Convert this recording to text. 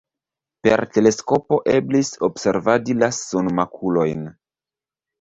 Per teleskopo eblis observadi la sunmakulojn.